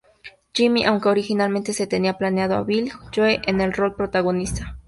Jimmy, aunque originalmente se tenía planeado a Billie Joe en el rol protagonista.